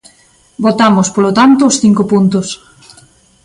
Votamos, polo tanto, os cinco puntos.